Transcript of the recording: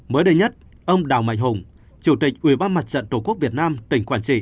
mới đây nhất ông đào mạnh hùng chủ tịch ubnd tqvn tỉnh quản trị